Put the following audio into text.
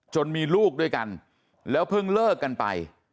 มีลูกด้วยกันแล้วเพิ่งเลิกกันไป